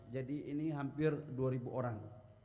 ini hampir dua orang